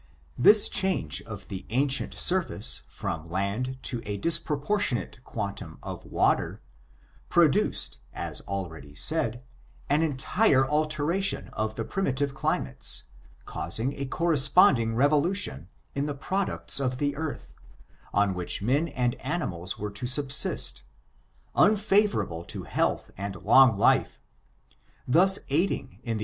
This change of the ancient surface from land to a disproportionate quantum of water, produced, as al ready said, an entire alteration of the primitive cli mates, causing a corresponding revolution, in the pro ducts of the earth, on which men and animals were to subsist, unfavorable to health and long life ; thus aiding in the